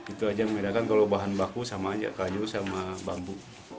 itu saja yang mengedakan kalau bahan baku sama aja kayu sama bambu